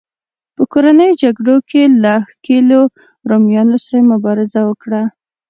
په کورنیو جګړو کې له ښکېلو رومیانو سره یې مبارزه وکړه